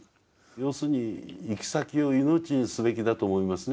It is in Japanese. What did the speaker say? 要するに行き先を命にすべきだと思いますね